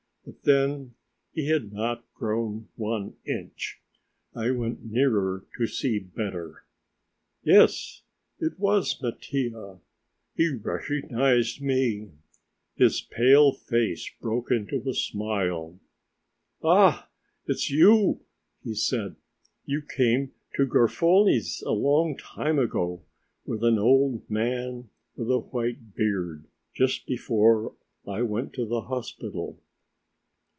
But then he had not grown one inch! I went nearer to see better. Yes, it was Mattia. He recognised me. His pale face broke into a smile. "Ah, it's you," he said. "You came to Garofoli's a long time ago with an old man with a white beard, just before I went to the hospital.